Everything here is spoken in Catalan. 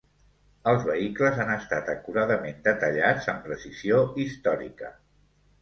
Els vehicles han estat acuradament detallats amb precisió històrica.